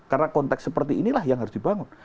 karena konteks seperti inilah yang harus dibangun